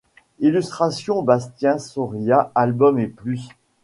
Illustrations Bastien Soria, album et plus.